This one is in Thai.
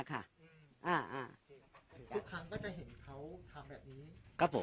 ทุกครั้งก็จะเห็นเขาทำแบบนี้